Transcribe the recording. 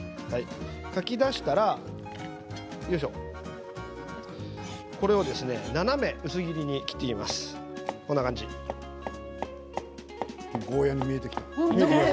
かき出したら斜め薄切りに切っていきます。